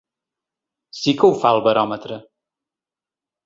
Sí que ho fa el baròmetre.